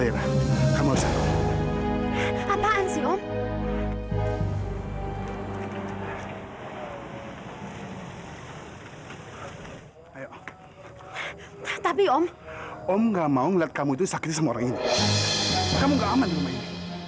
pahlawan kesiangan yang mukanya mirip seribuan manusia